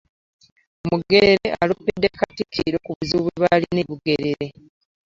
Mugerere aloopedde Katikkiro ku buzibu bwe balina e Bugerere.